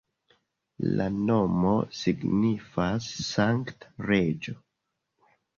La nomo signifas sankta reĝo.